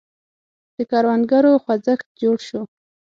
د کروندګرو خوځښت جوړ شو.